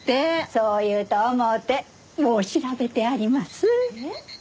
そう言うと思うてもう調べてあります。